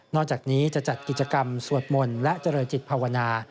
อกจากนี้จะจัดกิจกรรมสวดมนต์และเจริญจิตภาวนา